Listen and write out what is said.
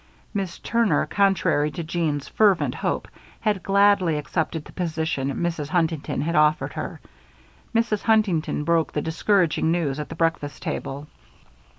Miss Turner, contrary to Jeanne's fervent hope, had gladly accepted the position Mrs. Huntington had offered her. Mrs. Huntington broke the discouraging news at the breakfast table.